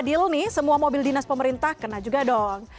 kalau ini semua mobil dinas pemerintah kena juga dong